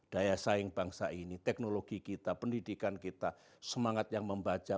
daya saing bangsa ini teknologi kita pendidikan kita semangat yang membaca